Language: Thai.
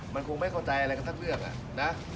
มันคงไม่เข้าใจอะไรกันสักเรื่องนะ